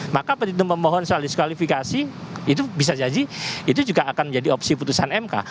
maka petitum pemohon soal diskualifikasi itu bisa jadi itu juga akan menjadi opsi putusan mk